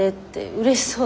うれしそう？